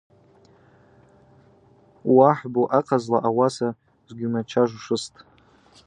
Уъахӏбу ахъазла ауаса сгьумачважвушызтӏ.